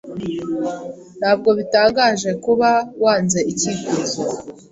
Ntabwo bitangaje kuba wanze icyifuzo.